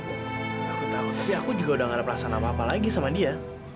aku tahu tapi aku juga udah gak ada perasaan apa apa lagi sama dia